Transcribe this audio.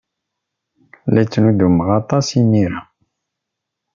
La ttnuddumeɣ aṭas imir-a.